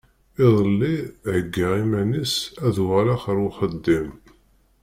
Iḍelli heggeɣ iman-is ad uɣaleɣ ar uxeddim.